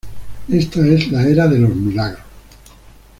Ésta es la Era de los Milagros".